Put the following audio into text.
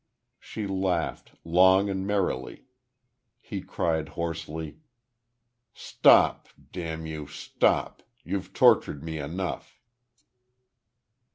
She laughed, long and merrily. He cried, hoarsely: "Stop! Damn you, stop! You've tortured me enough!"